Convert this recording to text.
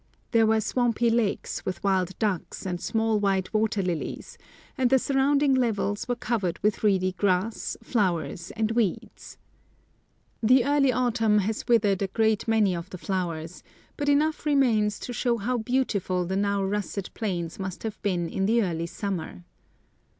There were swampy lakes, with wild ducks and small white water lilies, and the surrounding levels were covered with reedy grass, flowers, and weeds. The early autumn has withered a great many of the flowers; but enough remains to show how beautiful the now russet plains must have been in the early summer.